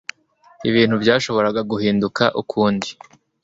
Ibintu Byashoboraga Guhinduka Ukundi